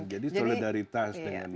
jadi solidaritas dengan